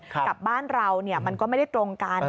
กับบ้านเรามันก็ไม่ได้ตรงกัน